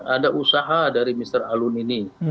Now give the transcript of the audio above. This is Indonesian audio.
ada usaha dari mr alun ini